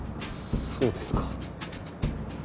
そうですか。